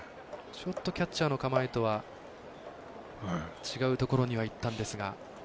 ちょっとキャッチャーの構えとは違うところにはいったんですが。